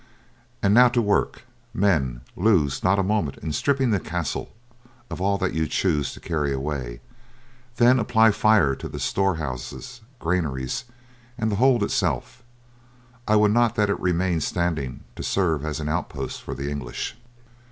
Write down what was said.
And now to work, men; lose not a moment in stripping the castle of all that you choose to carry away, then apply fire to the storehouses, granaries, and the hold itself. I would not that it remained standing to serve as an outpost for the English."